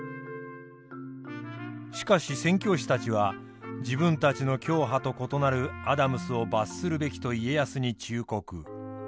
しかし宣教師たちは自分たちの教派と異なるアダムスを罰するべきと家康に忠告。